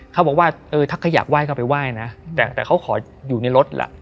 เขาบอกว่าเออถ้าใครอยากไหว้ก็ไปไหว้นะแต่เขาขออยู่ในรถล่ะ